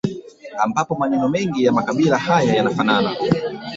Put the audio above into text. Ambapo maneno mengi ya makabila haya yanafanana